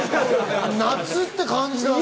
夏って感じだね。